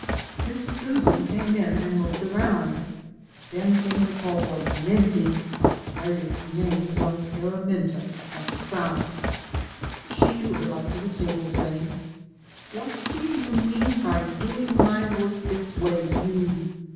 " Miss Susan " came in and looked around. Then came the call for " Minty " Harriet's name was Araminta at the South. She drew her up to the table, saying, " What do you mean by doing my work this way, you